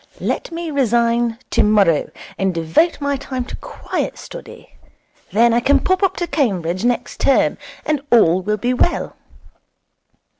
Let me resign tomorrow, and devote my time to quiet study. Then I can pop up to Cambridge next term, and all will be well.'